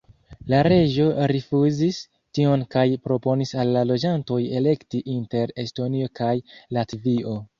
La reĝo rifuzis tion kaj proponis al la loĝantoj elekti inter Estonio kaj Latvio.